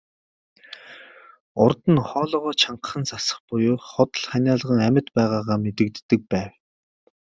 Урьд нь хоолойгоо чангахан засах буюу худал ханиалган амьд байгаагаа мэдэгддэг байв.